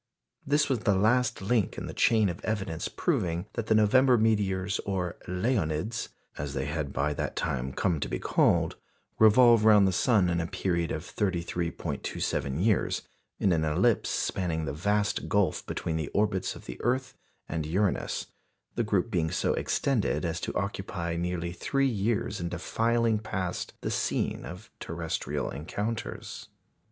This was the last link in the chain of evidence proving that the November meteors or "Leonids," as they had by that time come to be called revolve round the sun in a period of 33·27 years, in an ellipse spanning the vast gulf between the orbits of the earth and Uranus, the group being so extended as to occupy nearly three years in defiling past the scene of terrestrial encounters.